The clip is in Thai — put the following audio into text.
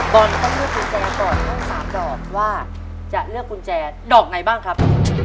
บอลต้องเลือกกุญแจต่อทั้ง๓ดอกว่าจะเลือกกุญแจดอกไหนบ้างครับ